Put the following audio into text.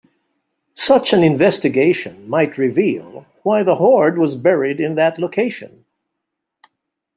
Such an investigation might reveal why the hoard was buried in that location.